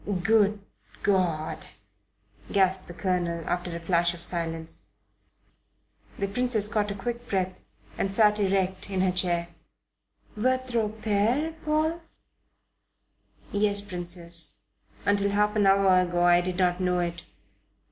"Good God!" gasped the Colonel, after a flash of silence. The Princess caught a quick breath and sat erect in her chair. "Votre Pere, Paul?" "Yes, Princess. Until half an hour ago I did not know it.